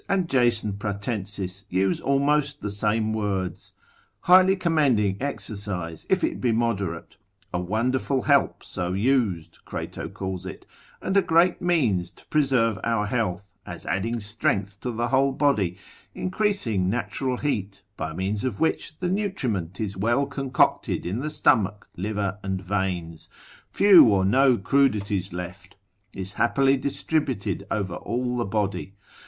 and Jason Pratensis use almost the same words, highly commending exercise if it be moderate; a wonderful help so used, Crato calls it, and a great means to preserve our health, as adding strength to the whole body, increasing natural heat, by means of which the nutriment is well concocted in the stomach, liver, and veins, few or no crudities left, is happily distributed over all the body.